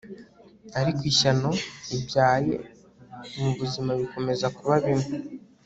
ariko ishyano ibyabaye mubuzima bikomeza kuba bimwe